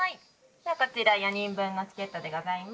ではこちら４人分のチケットでございます。